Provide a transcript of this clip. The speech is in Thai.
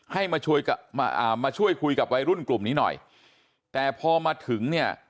ให้มาช่วยอ่ามาช่วยคุยกับวัยรุ่นกลุ่มนี้หน่อยแต่พอมาถึงเนี่ย